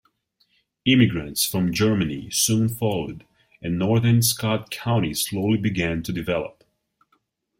Immigrants from Germany soon followed, and northern Scott County slowly began to develop.